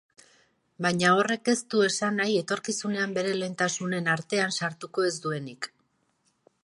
Baina horrek ez du esan nahi etorkizunean bere lehentasunen artean sartuko ez duenik.